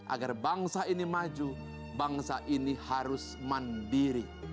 agar bangsa ini maju bangsa ini harus mandiri